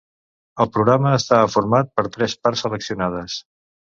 El programa estava format per tres parts seleccionades.